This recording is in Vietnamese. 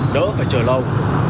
đỡ phải chờ lâu